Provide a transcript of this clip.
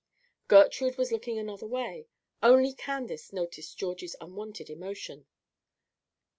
Gertrude was looking another way; only Candace noticed Georgie's unwonted emotion.